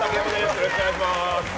よろしくお願いします。